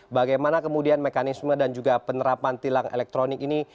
bagaimana kemudian mekanisme dan juga penerapan tilang elektronik ini